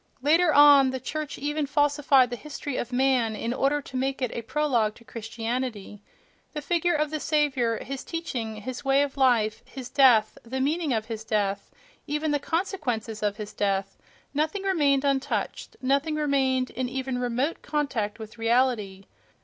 Later on the church even falsified the history of man in order to make it a prologue to Christianity.... The figure of the Saviour, his teaching, his way of life, his death, the meaning of his death, even the consequences of his death—nothing remained untouched, nothing remained in even remote contact with reality.